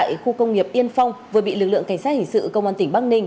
tại khu công nghiệp yên phong vừa bị lực lượng cảnh sát hình sự công an tỉnh bắc ninh